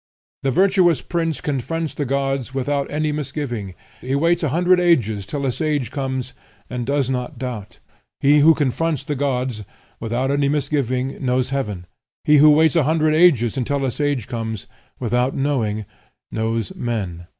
"The virtuous prince confronts the gods, without any misgiving. He waits a hundred ages till a sage comes, and does not doubt. He who confronts the gods, without any misgiving, knows heaven; he who waits a hundred ages until a sage comes, without doubting, knows men.